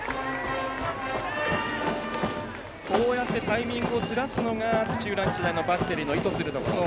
こうやってタイミングをずらすのが土浦日大のバッテリーの意図するところ。